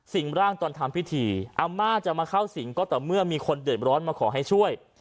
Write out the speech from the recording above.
ร่างตอนทำพิธีอาม่าจะมาเข้าสิงก็ต่อเมื่อมีคนเดือดร้อนมาขอให้ช่วย